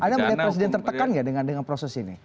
anda melihat presiden tertekan nggak dengan proses ini